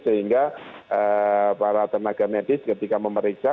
sehingga para tenaga medis ketika memeriksa